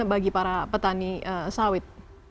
bagi para petani sawit